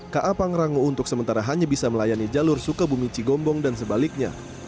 ka pangrango untuk sementara hanya bisa melayani jalur sukabumi cigombong dan sebaliknya